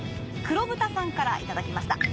くろぶたさんからいただきました。